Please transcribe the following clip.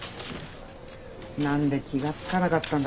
何で気が付かなかったんだ